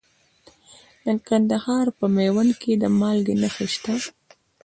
د کندهار په میوند کې د مالګې نښې شته.